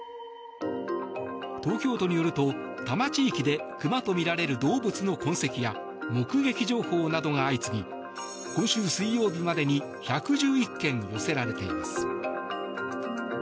東京都によると、多摩地域でクマとみられる動物の痕跡や目撃情報などが相次ぎ今週水曜日までに１１１件寄せられています。